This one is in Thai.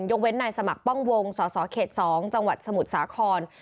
ยกเว้นในสมัครป้องวงศข๒จังหวัดสมุทรศาคร